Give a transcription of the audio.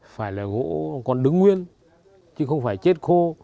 phải là gỗ còn đứng nguyên chứ không phải chết khô